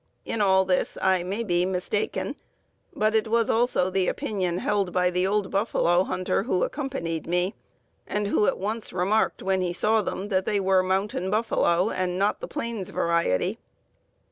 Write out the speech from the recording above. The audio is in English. In all this I may be mistaken, but it was also the opinion held by the old buffalo hunter who accompanied me, and who at once remarked when he saw them that they were 'mountain buffalo,' and not the plains variety.